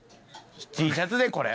Ｔシャツでこれ。